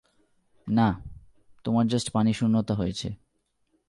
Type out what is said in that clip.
না, তোমার জাস্ট পানিশূন্যতা হয়েছে।